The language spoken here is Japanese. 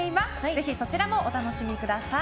ぜひそちらもお楽しみください。